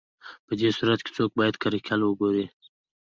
په دې صورت کې څوک باید کرکیله وکړي